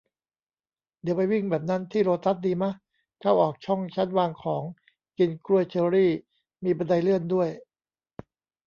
เดี๋ยวไปวิ่งแบบนั้นที่โลตัสดีมะ ? เข้าออกช่องชั้นวางของ กินกล้วย เชอรี่ มีบันไดเลื่อนด้วย